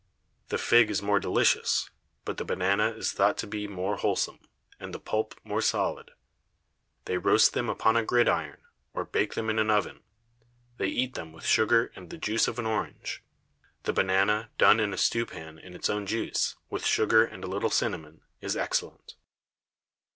The Fig is more delicious, but the Banane is thought to be more wholesome, and the Pulp more solid. They roast them upon a Grid Iron, or bake them in an Oven, they eat them with Sugar and the Juice of an Orange. The Banane done in a Stew Pan in its own Juice, with Sugar and a little Cinnamon, is excellent.